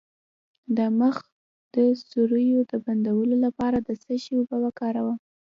د مخ د سوریو د بندولو لپاره د څه شي اوبه وکاروم؟